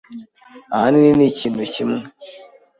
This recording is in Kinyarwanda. Ahanini, ni ikintu kimwe.